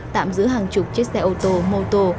tạm giữ hàng chục chiếc xe ô tô mô tô